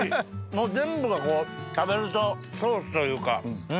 全部がこう食べるとソースというかうん。